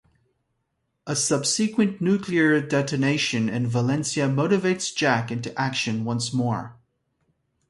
A subsequent nuclear detonation in Valencia motivates Jack into action once more.